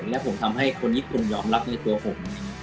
และผมทำให้คนญี่ปุ่นยอมรับในตัวผม